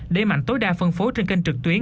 đẩy mạnh tối đa phân phối trên kênh trực tuyến